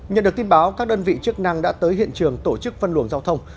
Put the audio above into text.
nhận được tin báo các đơn vị chức năng đã tới hiện trường tổ chức phân luồng giao thông